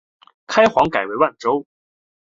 开皇改为万州。